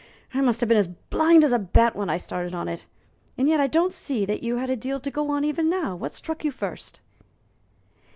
I must have been as blind as a bat when I started on it. And yet I don't see that you had a deal to go on, even now. What struck you first?"